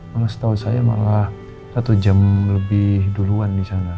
malas tau saya malah satu jam lebih duluan disana